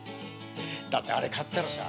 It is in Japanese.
だってあれ買ったらさ